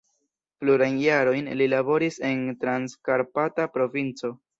Plurajn jarojn li laboris en Transkarpata provinco.